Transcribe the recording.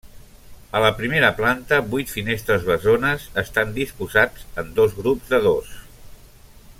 A la primera planta, vuit finestres bessones estan disposats en dos grups de dos.